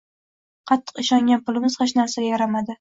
Qattiq ishongan pulimiz hech narsaga yaramadi.